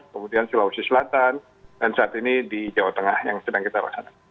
kemudian sulawesi selatan dan saat ini di jawa tengah yang sedang kita laksanakan